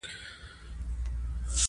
د ناشکرۍ ډير بد آنجام او پايله ده